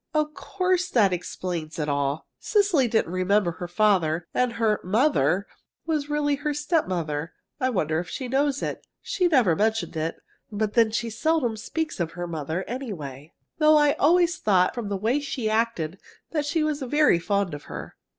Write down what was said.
Of course, that explains it all! Cecily didn't remember her father, and her 'mother' was really her stepmother. I wonder if she knows it. She never mentioned it, but then she seldom speaks of her mother, anyway. Though I always thought, from the way she acted, that she was very fond of her."